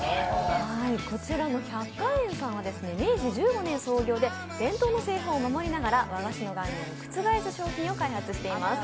こちらの百花園さんは明治１５年の創業で伝統の製法を守りながら、和菓子の概念を覆す商品を開発しています。